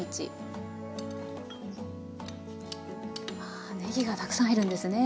あぁねぎがたくさん入るんですね。